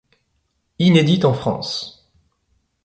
Inédite en France.